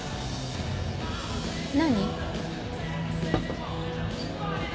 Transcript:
何？